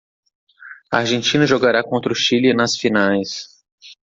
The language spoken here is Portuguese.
A Argentina jogará contra o Chile nas finais.